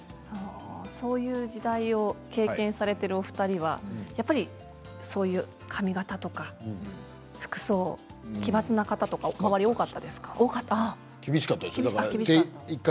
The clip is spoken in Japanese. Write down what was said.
そういう時代を経験されている、お二人は髪形とか服装、奇抜な方とか周りも多かったですか。